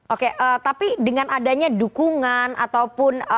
oke tapi dengan adanya dukungan ataupun